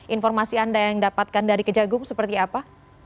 informasi anda yang dapatkan dari kejagung seperti apa